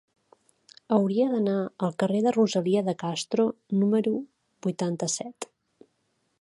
Hauria d'anar al carrer de Rosalía de Castro número vuitanta-set.